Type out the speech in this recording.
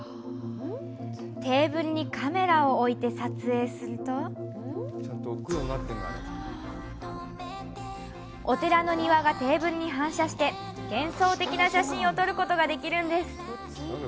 テーブルにカメラを置いて撮影するとお寺の庭がテーブルに反射して幻想的な写真を撮ることができるんです。